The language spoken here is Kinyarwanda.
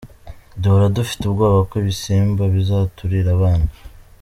Duhora dufite ubwoba ko ibisimba bizaturira abana.